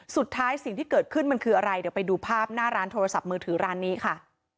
สิ่งที่เกิดขึ้นมันคืออะไรเดี๋ยวไปดูภาพหน้าร้านโทรศัพท์มือถือร้านนี้ค่ะ